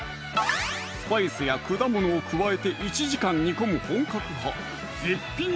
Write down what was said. スパイスや果物を加えて１時間煮込む本格派